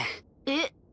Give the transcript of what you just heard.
えっ？